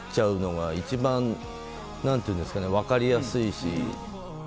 何ていうんですかね分かりやすいし。